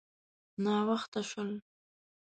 _ناوخته شول.